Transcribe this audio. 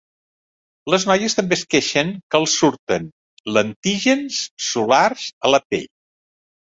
Les noies també es queixen que els surten lentígens solars a la pell.